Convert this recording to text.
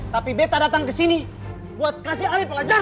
tapi beta datang kesini buat kasih ale pelajaran